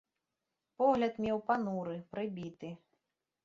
Погляд меў пануры, прыбіты.